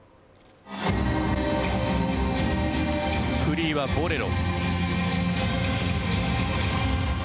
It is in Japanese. フリーはボレロ。